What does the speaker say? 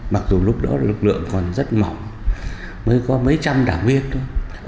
mặc dù lúc đó lực lượng còn rất mỏng mới có mấy trăm đảng viên thôi